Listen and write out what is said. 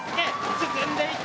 進んでいった。